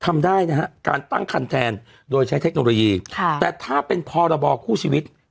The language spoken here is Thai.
ทำได้นะฮะการตั้งคันแทนโดยใช้เทคโนโลยีค่ะแต่ถ้าเป็นพรบคู่ชีวิต